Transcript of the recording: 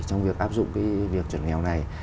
trong việc áp dụng cái việc chuẩn nghèo này